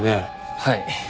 はい。